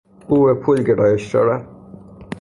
او به پول گرایش دارد.